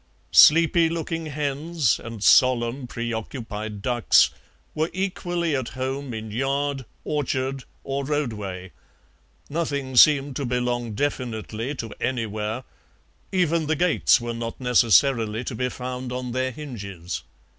Sleepy looking hens and solemn preoccupied ducks were equally at home in yard, orchard, or roadway; nothing seemed to belong definitely to anywhere; even the gates were not necessarily to be found on their hinges.